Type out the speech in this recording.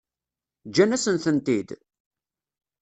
Ǧǧan-asen-tent-id?